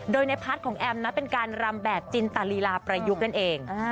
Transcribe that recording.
โดยในพาร์ทของแอมนะเป็นการรำแบบจินตาลีลาประยุกต์นั่นเอง